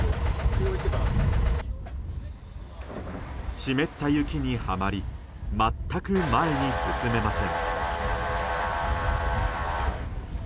湿った雪にはまり全く前に進めません。